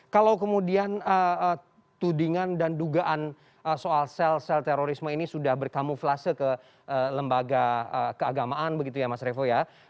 kalau kemudian tudingan dan dugaan soal sel sel terorisme ini sudah berkamuflase ke lembaga keagamaan begitu ya mas revo ya